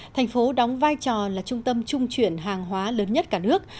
thành phố đóng vai trò là trung tâm trung chuyển hàng hóa lớn nhất cả nước